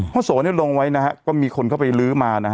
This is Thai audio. เพราะโสนี้ลงไว้ก็มีคนเข้าไปลื้อมา